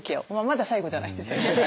まだ最後じゃないですけどね。